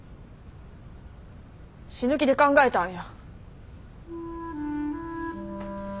死ぬ気で考えたんや。